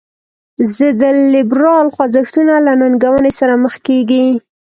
ضد لیبرال خوځښتونه له ننګونې سره مخ کیږي.